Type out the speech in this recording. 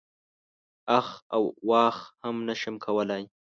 اخ او واخ هم نه شم کولای.